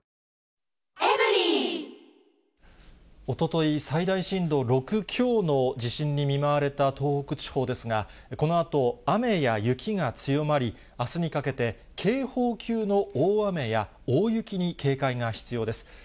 おととい、最大震度６強の地震に見舞われた東北地方ですが、このあと、雨や雪が強まり、あすにかけて警報級の大雨や大雪に警戒が必要です。